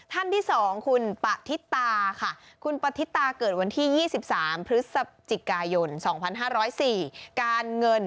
ท่านที่สองคุณปะทิตาค่ะ